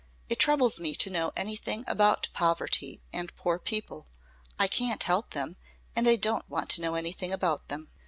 It troubles me to know anything about poverty and poor people. I can't help them, and I don't want to know anything about them."